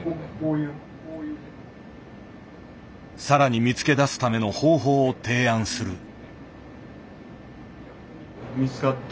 更に見つけ出すための方法を提案する。